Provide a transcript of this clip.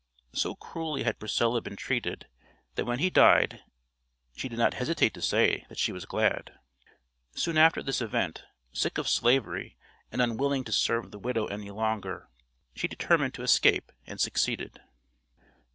So cruelly had Priscilla been treated, that when he died she did not hesitate to say that she was glad. Soon after this event, sick of Slavery and unwilling to serve the widow any longer, she determined to escape, and succeeded.